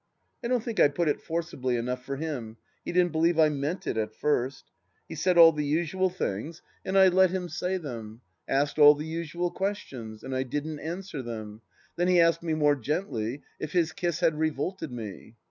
I don't think I put it forcibly enough, for him ; he didn't believe I meant it, at first. He said all the usual things, and 284 THE LAST DITCH I let him say them ; asked all the usual questions, and I didn't answer them. Then he asked me more gently, if his kiss had revolted me